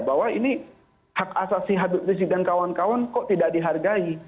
bahwa ini hak asasi habib rizik dan kawan kawan kok tidak dihargai